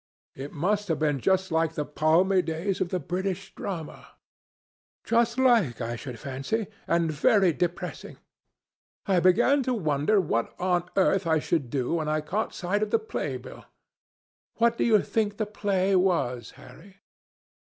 "It must have been just like the palmy days of the British drama." "Just like, I should fancy, and very depressing. I began to wonder what on earth I should do when I caught sight of the play bill. What do you think the play was, Harry?"